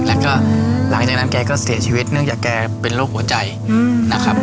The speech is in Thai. แล้วก็หลังจากนั้นแกก็เสียชีวิตเนื่องจากแกเป็นโรคหัวใจนะครับ